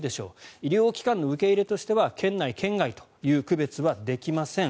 医療機関の受け入れとしては県内・県外という区別はできません。